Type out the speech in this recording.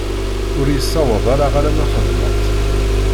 Ur yi-ssawaḍ ara alamma xedmeɣ-tt.